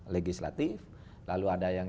legislatif lalu ada yang